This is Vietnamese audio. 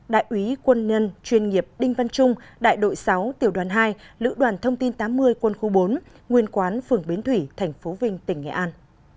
một mươi đại ủy quân nhân chuyên nghiệp đinh văn trung đại đội sáu tiểu đoàn hai lữ đoàn thông tin tám mươi quân khu bốn nguyên quán phường biến thủy thành phố vinh tỉnh nghệ an